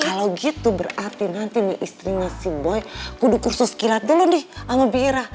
kalau gitu berarti nanti istrinya si boy kuduk kursus kilat dulu nih sama bira